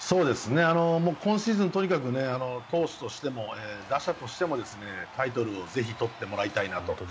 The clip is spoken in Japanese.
今シーズンとにかく投手としても打者としてもタイトルをぜひ取ってもらいたいなと。